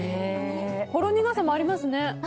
ほろ苦さもありますね。